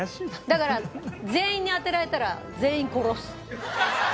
だから全員に当てられたら全員殺す。